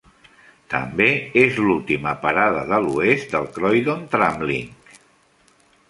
També és l'última parada de l'oest del Croydon Tramlink.